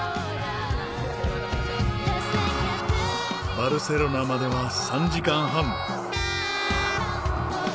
バルセロナまでは３時間半。